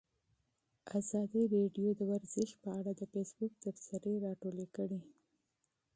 ازادي راډیو د ورزش په اړه د فیسبوک تبصرې راټولې کړي.